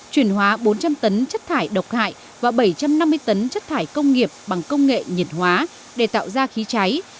chuyển hóa bốn trăm linh tấn chất thải độc hại và bảy trăm năm mươi tấn chất thải công nghiệp bằng công nghệ nhiệt hóa để tạo ra khí cháy